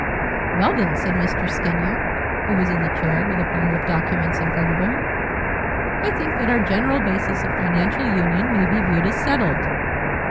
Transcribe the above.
"Well, then," said Mr. Skinyer, who was in the chair, with a pile of documents in front of him, "I think that our general basis of financial union may be viewed as settled."